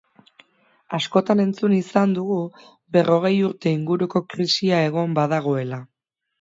Askotan entzun izan dugu berrogei urte inguruko krisia egon badagoela.